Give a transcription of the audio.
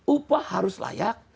upah harus layak